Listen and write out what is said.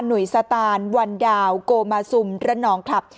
ห่วยสตานวันดาวโกมาซุมระนองคลับ